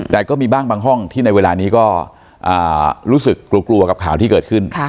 แต่ก็มีบ้างบางห้องที่ในเวลานี้ก็รู้สึกกลัวกับข่าวที่เกิดขึ้น